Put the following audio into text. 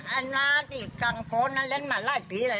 อ่านล่าที่กลางโฟนนะเล่นมาไล่ที่เลย